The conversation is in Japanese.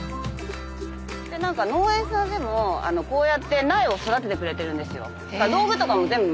農園さんでもこうやって苗を育ててくれてるんですよ。